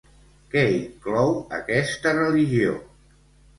Què inclou aquesta religió?